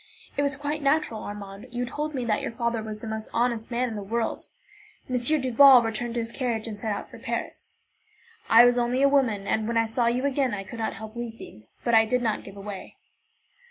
It was quite natural, Armand. You told me that your father was the most honest man in the world. M. Duval returned to his carriage, and set out for Paris. I was only a woman, and when I saw you again I could not help weeping, but I did not give way.